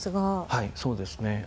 はいそうですね。